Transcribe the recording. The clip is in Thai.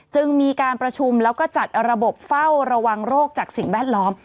จึงมีการประชุมแล้วก็จัดระบบเฝ้าระวังโรคจากสิ่งแวดล้อม